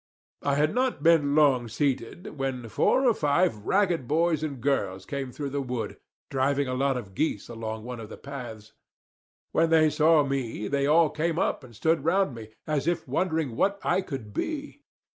I had not been long seated, when four or five ragged boys and girls came through the wood, driving a lot of geese along one of the paths. When they saw me, they all came up and stood round me, as if wondering what I could be.